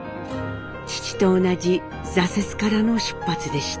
父と同じ挫折からの出発でした。